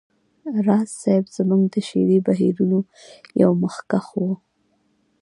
راز صيب زموږ د شعري بهیرونو یو مخکښ و